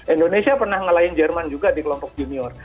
indonesia pernah ngelain jerman juga di kelompok junior